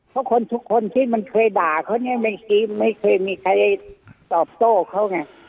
เพราะคนทุกคนที่มันเคยด่าเขาเนี่ยไม่เคยมีใครตอบโต้เขาไง